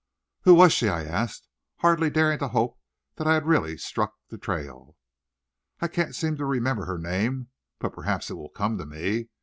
"Who was she?" I asked, hardly daring to hope that I had really struck the trail. "I can't seem to remember her name, but perhaps it will come to me.